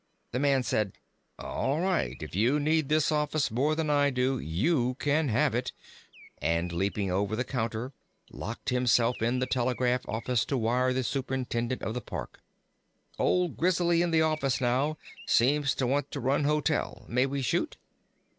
The man said: "All right; if you need this office more than I do, you can have it," and leaping over the counter, locked himself in the telegraph office to wire the superintendent of the Park: "Old Grizzly in the office now, seems to want to run hotel; may we shoot?"